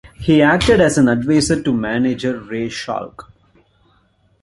He acted as an advisor to manager Ray Schalk.